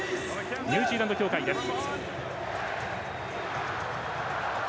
ニュージーランド協会です。